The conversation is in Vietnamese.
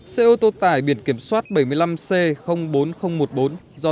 xe ô tô tải biển kiểm soát bảy mươi năm c bốn nghìn một mươi bốn do tài xế